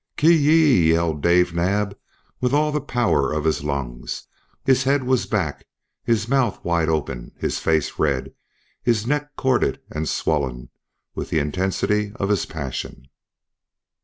"Ki yi i i!" yelled Dave Naab with all the power of his lungs. His head was back, his mouth wide open, his face red, his neck corded and swollen with the intensity of his passion.